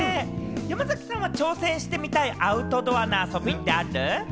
山崎さんは挑戦してみたいアウトドアの遊びってある？